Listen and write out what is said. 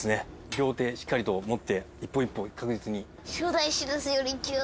両手しっかりと持って一歩一歩確実に。